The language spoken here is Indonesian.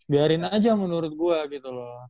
biarin aja menurut gue gitu loh